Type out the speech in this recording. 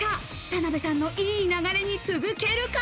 田辺さんのいい流れに続けるか。